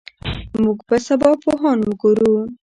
موږ به سبا پوهان وګورو.